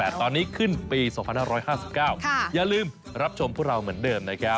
แต่ตอนนี้ขึ้นปี๒๕๕๙อย่าลืมรับชมพวกเราเหมือนเดิมนะครับ